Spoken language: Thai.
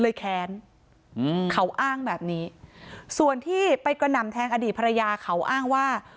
แค้นอืมเขาอ้างแบบนี้ส่วนที่ไปกระหน่ำแทงอดีตภรรยาเขาอ้างว่า